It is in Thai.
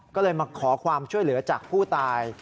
ก็เลยมาขอความช่วยเหลือจากผู้ตาย